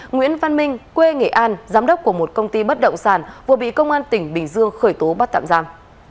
nguyễn văn minh quê nghệ an giám đốc của một công ty bất động sản vừa bị công an tỉnh bình dương khởi tố bắt tạm giam